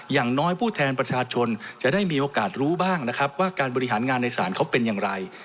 อย่างน้อยผู้แทนประชาชนจะได้มีโอกาสรู้บ้างนะครับว่าการบริหารงานในศาลเขาเป็นอย่างไร